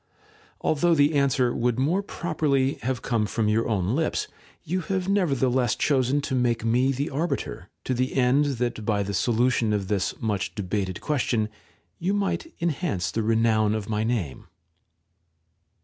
Although the answer would more properly have come from your own lips, you have nevertheless chosen to make me the arbiter, to the end that by the solution of this much debated question you might en hance the renown of my name.